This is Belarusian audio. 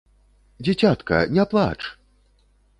Дзіцятка, ня плач!